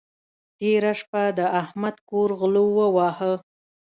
تېره شپه د احمد کور غلو وواهه.